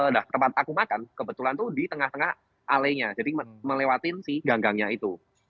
nah tempat aku makan kebetulan tuh di tengah tengah alenya jadi melewatin si ganggangnya itu